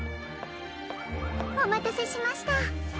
おまたせしました。